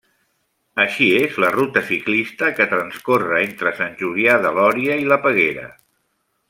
Així és la ruta ciclista que transcorre entre Sant Julià de Lòria i la Peguera.